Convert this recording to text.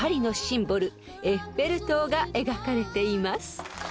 エッフェル塔が描かれています］